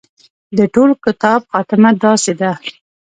د ټول کتاب خاتمه داسې ده.